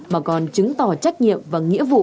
mà còn chứng tỏ trách nhiệm và nghĩa vụ